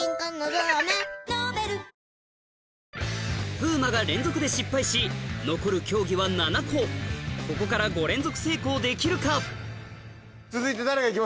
風磨が連続で失敗し残る競技は７個ここから５連続成功できるか？